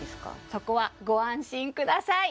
そこはご安心ください